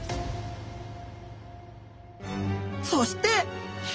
そして！